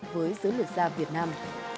với giới luật gia việt nam